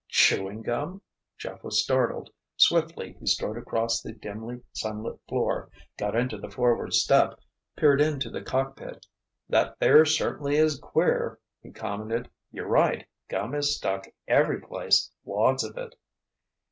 "Chewing gum?" Jeff was startled. Swiftly he strode across the dimly sunlit floor, got onto the forward step, peered into the cockpit. "That there certainly is queer," he commented. "You're right. Gum is stuck every place, wads of it."